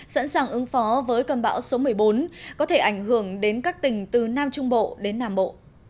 sẵn sàng ứng phó với cơn bão số một mươi bốn có thể ảnh hưởng đến các tỉnh từ nam trung bộ đến nam bộ